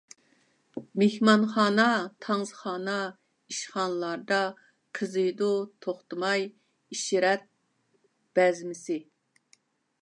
مېھمانخانا، تانسىخانا، ئىشخانىلاردا قىزىيدۇ توختىماي ئىشرەت بەزمىسى.